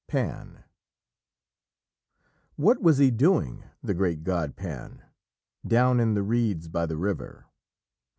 PAN "What was he doing, the great god Pan, Down in the reeds by the river?